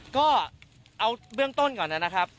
ก็ตอบได้คำเดียวนะครับ